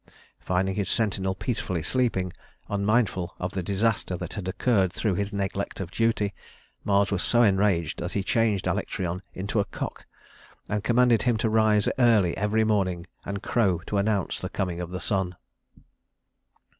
Finding his sentinel peacefully sleeping, unmindful of the disaster that had occurred through his neglect of duty, Mars was so enraged that he changed Alectryon into a cock, and commanded him to rise early every morning and crow to announce the coming of the sun.